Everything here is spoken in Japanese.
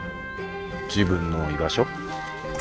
自分の居場所。